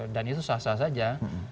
dan itu sah sah saja